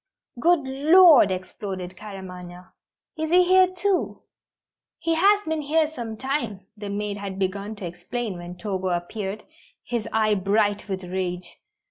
"Good Lord!" exploded Claremanagh. "Is he here, too?" "He has been here some time," the maid had begun to explain when Togo appeared, his eye bright with rage.